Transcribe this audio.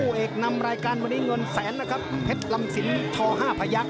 เอกนำรายการวันนี้เงินแสนนะครับเพชรลำสินท๕พยักษ